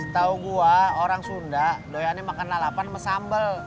setahu saya orang sunda doyanya makan lalapan sama sambal